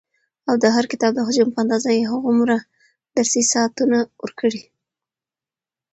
او د هر کتاب د حجم په اندازه يي هغومره درسي ساعتونه ورکړي وي،